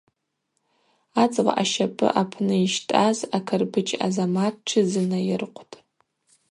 Ацӏла ащапӏы апны йщтӏаз акырбыджь Азамат тшизынайыркъвтӏ.